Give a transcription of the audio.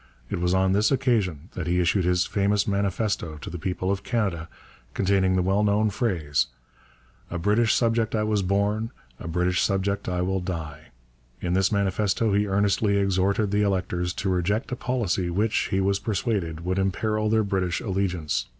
It was on this occasion that he issued his famous manifesto to the people of Canada containing the well known phrase: 'A British subject I was born, a British subject I will die.' In this manifesto he earnestly exhorted the electors to reject a policy which, he was persuaded, would imperil their British allegiance.